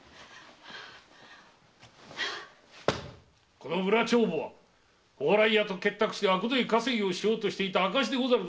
この裏帳簿は蓬莱屋と結託してあくどい稼ぎをしようとしていた証でござる。